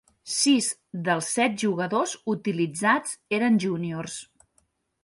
Sis dels set jugadors utilitzats eren Juniors.